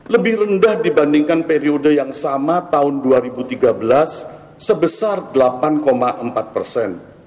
lebih rendah dibandingkan periode yang sama tahun dua ribu tiga belas sebesar delapan empat persen